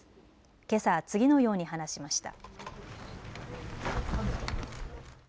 けさ、次のように話しました。